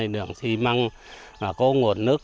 đường xi măng có ngột nước